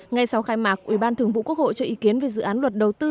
ngay sau khai mạc ủy ban thường vụ quốc hội cho ý kiến về dự án luật đầu tư